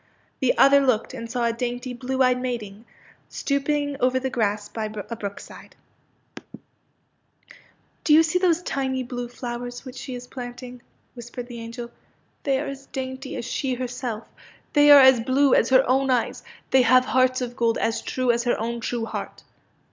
The other looked and saw a dainty blue eyed maiden stooping over the grass by a brookside. 90 PANSY AND FORGET ME NOT '' Do you see those tiny blue flowers which she is planting? " whispered the angel. '' They are as dainty as she herself. They are blue as her own eyes. They have hearts of gold as true as her own true heart."